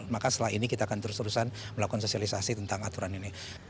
maka setelah ini kita akan terus terusan melakukan sosialisasi tentang aturan ini